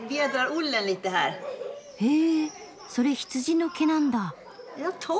へぇそれ羊の毛なんだ。